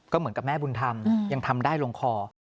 ก็เหมือนกับแม่บุญธรรมยังทำได้ลงคอ